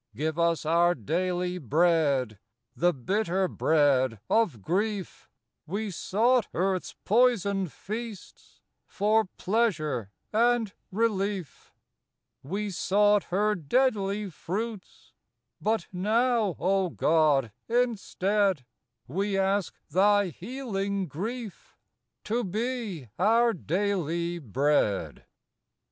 Give us our daily Bread, — The bitter bread of grief, We sought earth's poisoned feasts For pleasure and relief; We sought her deadly fruits, But now, O God, instead, We ask Thy healing grief To be our daily Bread. 138 FROM QUEENS' GARDENS.